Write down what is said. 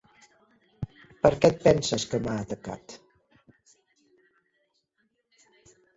Per què et penses que m'ha atacat?